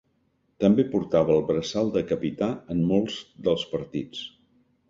També portava el braçal de capità en molts dels partits.